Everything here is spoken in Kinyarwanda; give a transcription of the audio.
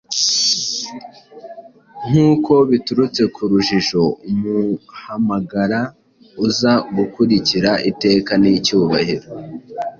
nkuko biturutse ku rujijo, umuhamagara uza gukurikira Iteka n'icyubahiro